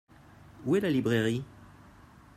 Où est la librairie ?